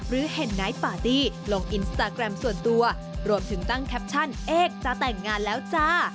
รวมถึงตั้งแคปชั่นเอ็กซ์จะแต่งงานแล้วจ้า